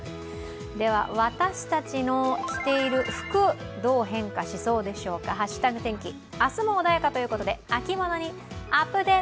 では、私たちの着ている服、どう変化しそうでしょうか、「＃天気」、明日も穏やかということで秋物にアプデ。